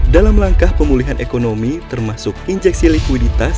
dalam langkah pemulihan ekonomi termasuk injeksi likuiditas